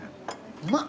うまっ！